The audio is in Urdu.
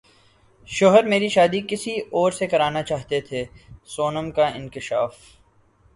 شوہر میری شادی کسی اور سے کرانا چاہتے تھے سونم کا انکشاف